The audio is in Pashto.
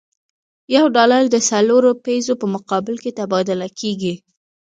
یو ډالر د څلورو پیزو په مقابل کې تبادله کېده.